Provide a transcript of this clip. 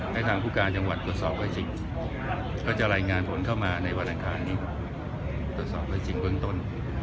ให้ทางผู้การจังหวัดตรวจสอบให้จริงก็จะรายงานผลเข้ามาในวันอังคารนี้ตรวจสอบได้จริงเบื้องต้น